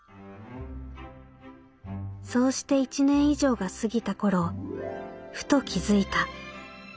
「そうして一年以上が過ぎた頃ふと気づいた。